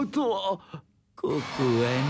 ここはね。